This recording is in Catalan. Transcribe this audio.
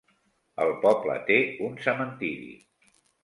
El poble té un cementiri.